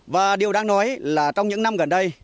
và điều đang nói là trong những năm gần đây